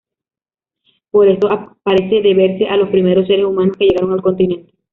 Por esto parece deberse a los primeros seres humanos que llegaron al continente.